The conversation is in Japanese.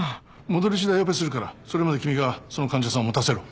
戻りしだいオペするからそれまで君がその患者さんを持たせろ。